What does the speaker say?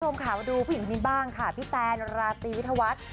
ชมขาวดูผู้หญิงที่นี่บ้างค่ะพี่แปนราตีวิทยาวัฒน์